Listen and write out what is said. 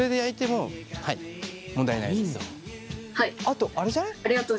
あとあれじゃない？